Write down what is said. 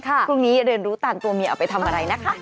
พรุ่งนี้เรียนรู้ตามตัวเมียเอาไปทำอะไรนะคะ